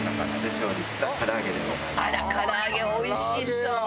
あら唐揚げおいしそうに。